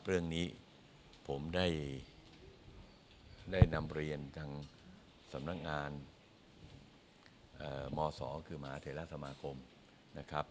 เรื่องนี้ผมได้นำเรียนทางสำนักงานมศคือมหาเทราสมาคมนะครับ